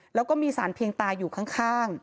แล้วก็มีสารเพียงตาอยู่ข้าง